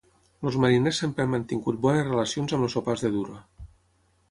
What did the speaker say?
Els mariners sempre han mantingut bones relacions amb els sopars de duro.